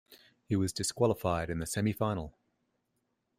He was disqualified in the semifinal.